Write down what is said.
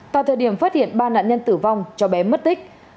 tại thời điểm phát hiện ba nạn nhân tử vong cho bé mất tích